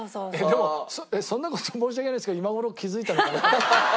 でもそんな事申し訳ないですけど今頃気付いたのかなっていう。